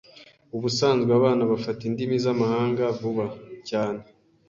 Ubusanzwe abana bafata indimi z'amahanga vuba cyane.